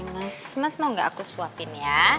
mas mas mau gak aku suapin ya